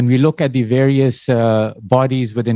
ketika kita melihat kebanyakan